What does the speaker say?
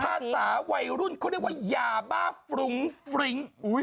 ภาษาวัยรุ่นเขาเรียกว่ายาบ้าฟรุ้งฟริ้ง